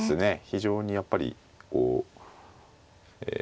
非常にやっぱりこうえ